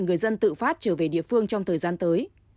người dân tự phát trở về địa phương trong thời gian tới